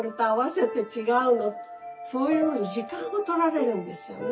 そういうのに時間を取られるんですよね。